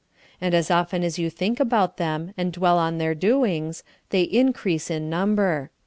And as often as you think about them, and dwell on their doings, they increase in number.